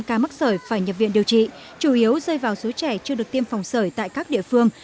ca mắc sởi phải nhập viện điều trị chủ yếu rơi vào số trẻ chưa được tiêm phòng sởi tại các địa phương